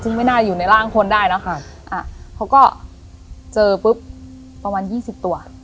ซึ่งไม่น่าอยู่ในร่างคนได้เนอะเขาก็เจอปุ๊บประมาณยี่สิบตัว